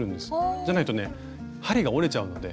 じゃないとね針が折れちゃうので。